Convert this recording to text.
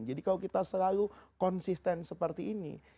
jadi kalau kita selalu konsisten seperti ini